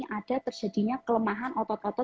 ada terjadinya kelemahan otot otot